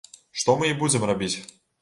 Што мы і будзем рабіць.